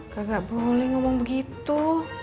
kak gak boleh ngomong begitu